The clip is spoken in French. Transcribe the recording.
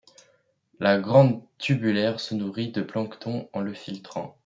La Grande tubulaire se nourrit de plancton en le filtrant.